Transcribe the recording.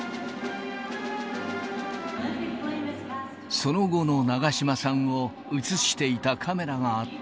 その後の長嶋さんを写していたカメラがあった。